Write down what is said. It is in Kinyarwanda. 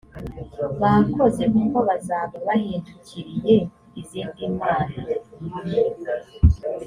bakoze kuko bazaba bahindukiriye izindi mana